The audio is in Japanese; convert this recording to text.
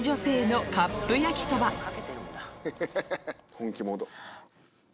本気モード。